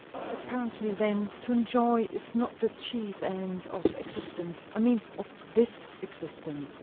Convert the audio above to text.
"Apparently, then, to enjoy is not the chief end of existence. I mean, of this existence."